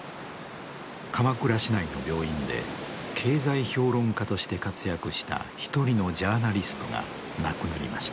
鎌倉市内の病院で経済評論家として活躍した一人のジャーナリストが亡くなりました。